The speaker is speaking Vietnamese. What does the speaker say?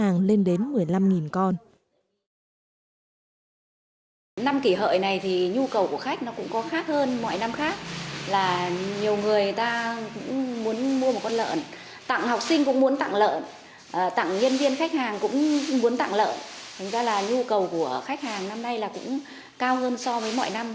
ngoài ra là nhu cầu của khách hàng năm nay là cũng cao hơn so với mọi năm